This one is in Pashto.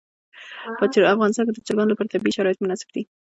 په افغانستان کې د چرګانو لپاره طبیعي شرایط مناسب دي.